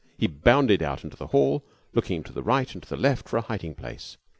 He bounded out into the hall, looking to right and to left for a hiding place.